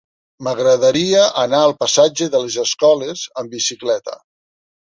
M'agradaria anar al passatge de les Escoles amb bicicleta.